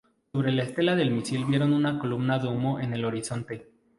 Sobre la estela del misil vieron una columna de humo, en el horizonte.